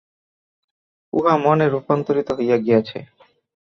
উহা মনে রূপান্তরিত হইয়া গিয়াছে।